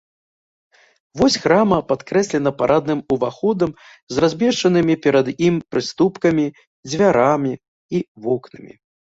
Вось храма падкрэслена парадным уваходам з размешчанымі перад ім прыступкамі, дзвярамі і вокнамі.